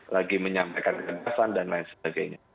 lagi menyampaikan penjelasan dan lain sebagainya